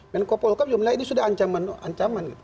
menko polhukam juga menilai ini sudah ancaman